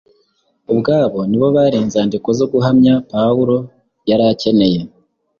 ubwabo nibo bari inzandiko zo guhamya Pawulo yari akeneye.